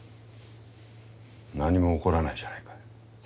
何も起こらないじゃないか。